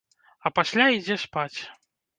А пасля ідзе спаць.